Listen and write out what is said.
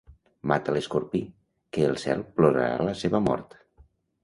Mata l'escorpí, que el cel plorarà la seva mort.